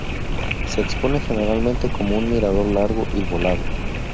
Se expone generalmente como un mirador largo y volado.